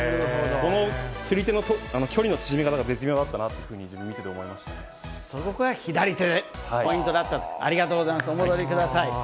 このつり手の距離の縮め方が絶妙だったなというふうに、そこは左手、ポイントだった。